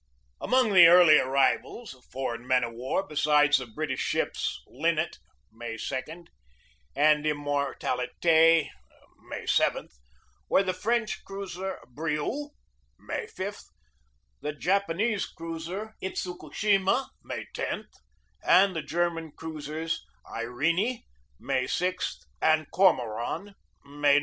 Among the early arrivals of foreign men of war, besides the British ships Linnet (May 2) and Im mortalite (May 7), were the French cruiser Brieux (May 5), the Japanese cruiser Itsukushima (May 10), and the German cruisers Irene (May 6) and Cor moran (May 9).